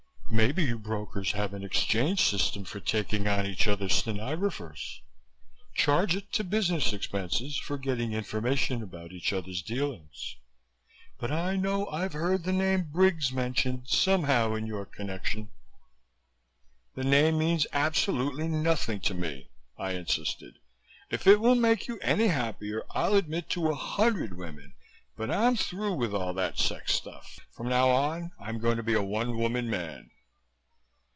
Maybe you brokers have an exchange system for taking on each other's stenographers charge it to business expenses for getting information about each other's dealings but I know I've heard the name Briggs mentioned somehow in your connection." "The name means absolutely nothing to me," I insisted. "If it will make you any happier I'll admit to a hundred women but I'm through with all that sex stuff. From now on, I'm going to be a one woman man."